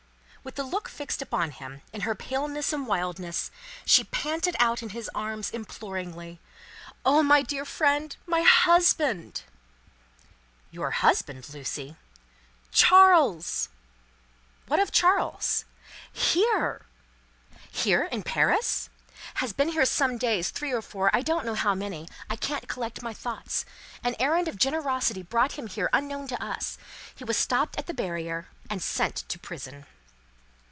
With the look fixed upon him, in her paleness and wildness, she panted out in his arms, imploringly, "O my dear friend! My husband!" "Your husband, Lucie?" "Charles." "What of Charles?" "Here. "Here, in Paris?" "Has been here some days three or four I don't know how many I can't collect my thoughts. An errand of generosity brought him here unknown to us; he was stopped at the barrier, and sent to prison."